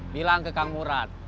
bilang ke kang murad